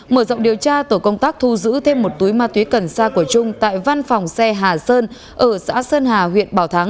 mở rộng điều tra tổ công tác thu giữ thêm một túi ma túy cần xa của trung tại văn phòng xe hà sơn ở xã sơn hà huyện bảo thắng